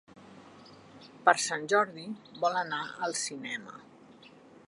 Per Sant Jordi vol anar al cinema.